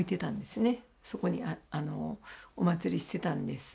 そこにおまつりしてたんです。